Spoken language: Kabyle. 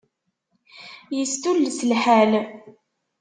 Yestulles lḥal.